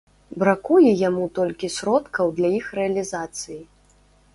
Бракуе яму толькі сродкаў для іх рэалізацыі.